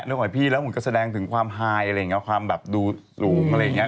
แล้วหอยพี่ก็แสดงถึงความไฮความดูสูงอะไรอย่างนี้